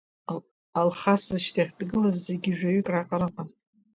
Алхас зышьҭахь дгылаз зегьы жәаҩык раҟара ыҟан.